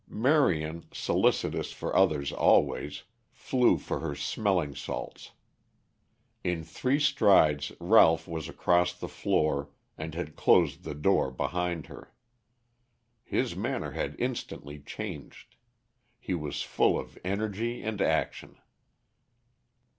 Marion, solicitous for others always, flew for her smelling salts. In three strides Ralph was across the floor, and had closed the door behind her. His manner had instantly changed; he was full of energy and action.